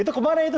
itu kemana itu